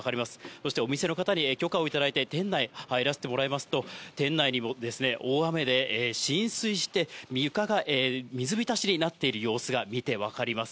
そしてお店の方に許可をいただいて、店内入らせてもらいますと、店内にも大雨で浸水して、床が水浸しになっている様子が見て分かります。